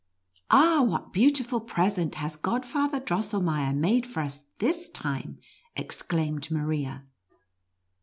"Ah, what beautiful present lias Godfather Drosselmeier made for us this time !" exclaimed Maria.